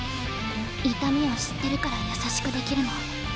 痛みを知ってるから優しくできるの。